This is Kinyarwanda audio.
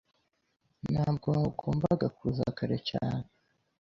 Ntabwo wagombaga kuza kare cyane. (witbrock)